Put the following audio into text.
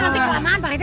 nanti kelamaan pak rt